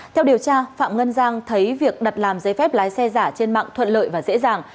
theo điều tra phạm ngân giang thấy việc đặt làm giấy phép lái xe giả trên mạng thuận lợi và dễ dàng